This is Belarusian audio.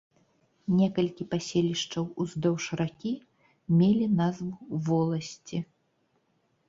Некалькі паселішчаў уздоўж ракі мелі назву воласці.